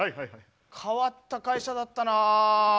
変わった会社だったな。